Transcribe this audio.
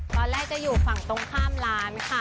ตอนแรกจะอยู่ฝั่งตรงข้ามร้านค่ะ